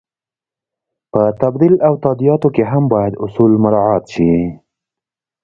په تبدیل او تادیاتو کې هم باید اصول مراعت شي.